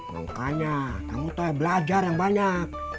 makanya kamu belajar yang banyak